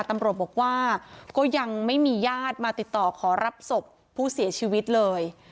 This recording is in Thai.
ตำรวจบอกว่าก็ยังไม่มีญาติมาติดต่อขอรับศพผู้เสียชีวิตเลย